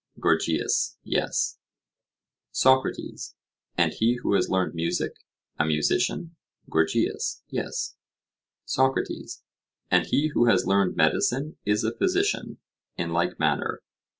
GORGIAS: Yes. SOCRATES: And he who has learned music a musician? GORGIAS: Yes. SOCRATES: And he who has learned medicine is a physician, in like manner?